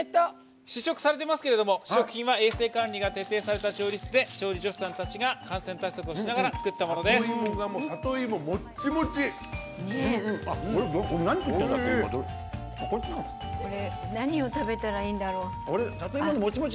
試食されてますけども試食品は衛生管理が徹底された調理室で調理助手さんたちが感染対策をしながら里芋、もっちもち！